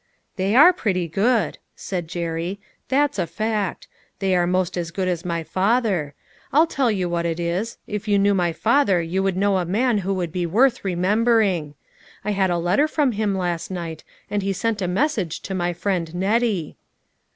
" They are pretty good," said Jerry, " that's a fact ; they are most as good as my father. I'll tell you what it is, if you knew my father you 332 LITTLE FISHEES I AND THEIR NETS. would know a man who would be worth remem bering. I had a letter from him last night, and he sent a message to my friend Nettie."